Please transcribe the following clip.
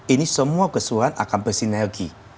ini semua keseluruhan akan bersinergi